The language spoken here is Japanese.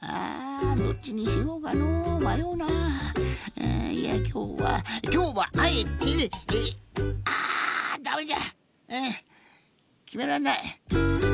えいやきょうはきょうはあえてあダメじゃきめらんない。